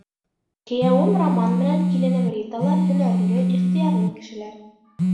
Кейәүем Роман менән киленем Рита ла — һөнәрле, ихтыярлы кешеләр.